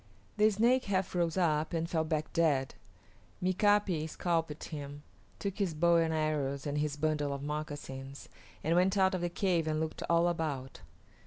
The Snake half rose up and fell back dead. Mika´pi scalped him, took his bow and arrows and his bundle of moccasins, and went out of the cave and looked all about.